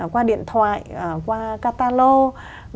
qua điện thoại qua catalog